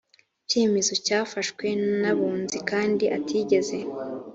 cyemezo cyafashwe n abunzi kandi atigeze